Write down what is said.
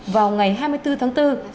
vào ngày hai mươi bốn tháng bốn